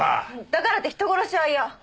だからって人殺しは嫌！